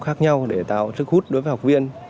khác nhau để tạo sức hút đối với học viên